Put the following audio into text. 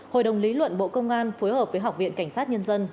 hội đồng lý luận bộ công an phối hợp với học viện cảnh sát nhân dân